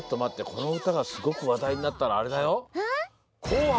このうたがすごくわだいになったらあれだよ。